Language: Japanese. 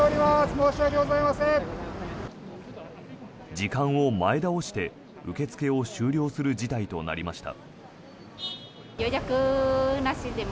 時間を前倒して受け付けを終了する事態となりました。